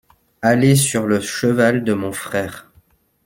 Aller sur le cheval de mon frère.